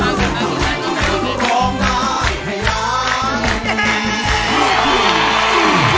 หกหมื่นบาท